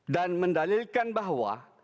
dan mendalilkan bahwa